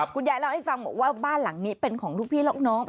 คุณยายเล่าให้ฟังบอกว่าบ้านหลังนี้เป็นของลูกพี่ลูกน้อง